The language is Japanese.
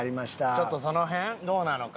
ちょっとその辺どうなのか。